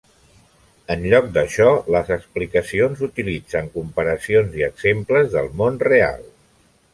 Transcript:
En lloc d'això, les explicacions utilitzen comparacions i exemples del món real.